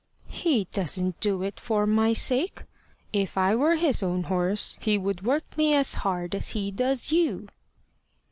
"He doesn't do it for my sake. If I were his own horse, he would work me as hard as he does you."